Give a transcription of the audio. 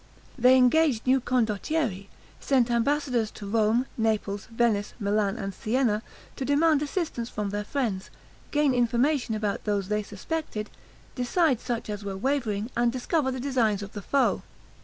They engaged new condottieri, sent ambassadors to Rome, Naples, Venice, Milan, and Sienna, to demand assistance from their friends, gain information about those they suspected, decide such as were wavering, and discover the designs of the foe.